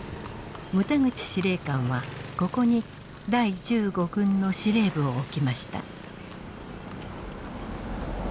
牟田口司令官はここに第１５軍の司令部を置きました。